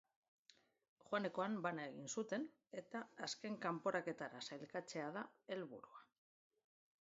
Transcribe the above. Joanekoan bana egin zuten, eta azken kanporaketara sailkatzea da helburua.